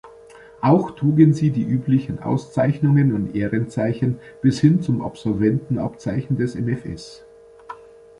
Auch trugen sie die üblichen Auszeichnungen und Ehrenzeichen, bis hin zum Absolventenabzeichen des MfS.